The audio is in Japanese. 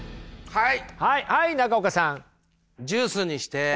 はい。